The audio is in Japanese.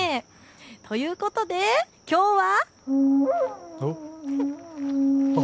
ということできょうは。